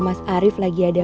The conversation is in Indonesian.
mas arief merintah